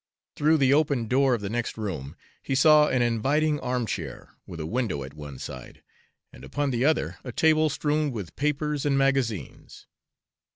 Through the open door of the next room he saw an inviting armchair, with a window at one side, and upon the other a table strewn with papers and magazines.